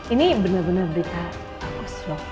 ini benar benar berita bagus ma